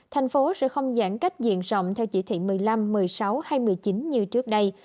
thành phố sẽ không giãn cách diện rộng theo chỉ thị một mươi năm một mươi sáu hai nghìn một mươi chín như trước đây